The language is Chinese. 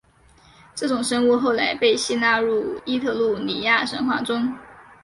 这种生物后来被吸纳入伊特鲁里亚神话中。